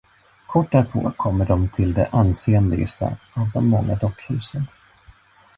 Kort därpå kommer de till det ansenligaste av de många dockhusen.